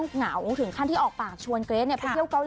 ทองแทงกันช่วงนี้พอ